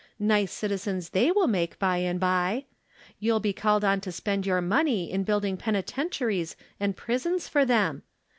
Nice citizens they will make by and by ! You'll be called on to spend your money in building penitentiaries and prisons for them.